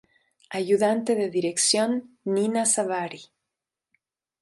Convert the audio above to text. Ayudante de dirección: Nina Savary.